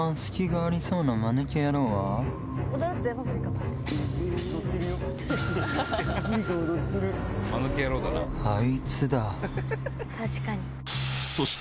あいつだ。